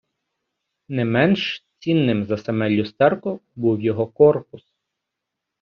Не менш цінним за саме люстерко був його корпус.